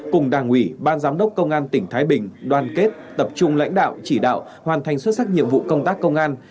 cùng đảng ủy ban giám đốc công an tỉnh thái bình đoàn kết tập trung lãnh đạo chỉ đạo hoàn thành xuất sắc nhiệm vụ công tác công an